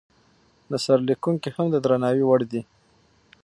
نثر لیکونکي هم د درناوي وړ دي.